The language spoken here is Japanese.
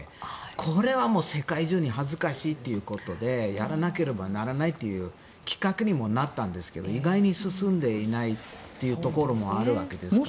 これは世界中に恥ずかしいということでやらなければならないというきっかけにもなったんですが意外に進んでいないというところもあるわけですから。